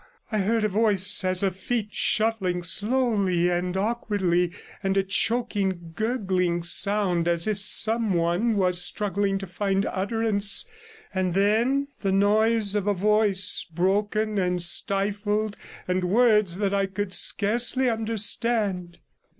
I heard a noise as of feet shuffling slowly and awkwardly, and a choking, gurgling sound, as if some one was struggling to find utterance, and then the noise of a voice, broken and stifled, and words that I could scarcely understand.